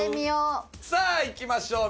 さあいきましょう。